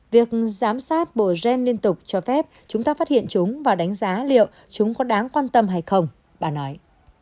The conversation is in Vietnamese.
việc giám sát bộ gen liên tục cho phép chúng ta phát hiện chúng và đánh giá liệu chúng có đáng quan tâm hay không bà nói